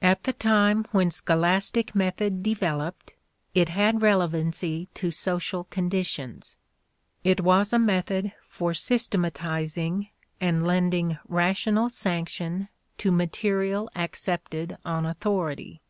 At the time when scholastic method developed, it had relevancy to social conditions. It was a method for systematizing and lending rational sanction to material accepted on authority.